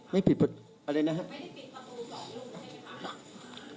ไม่ปิดอะไรนะครับ